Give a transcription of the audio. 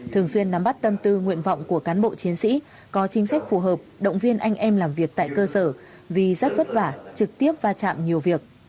thường xuyên nắm bắt tâm tư nguyện vọng của cán bộ chiến sĩ có chính sách phù hợp động viên anh em làm việc tại cơ sở vì rất vất vả trực tiếp va chạm nhiều việc